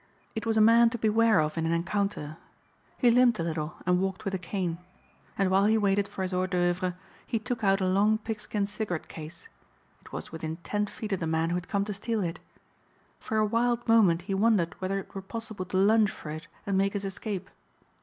It was a man to beware of in an encounter. He limped a little and walked with a cane. And while he waited for his hors d'œuvres he took out a long pigskin cigarette case. It was within ten feet of the man who had come to steal it. For a wild moment he wondered whether it were possible to lunge for it and make his escape.